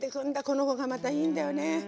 この子がまたいいんだよね。